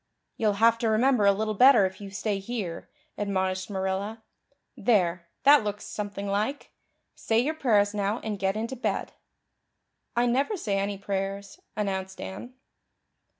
"You'll have to remember a little better if you stay here," admonished Marilla. "There, that looks something like. Say your prayers now and get into bed." "I never say any prayers," announced Anne.